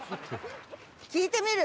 聞いてみる？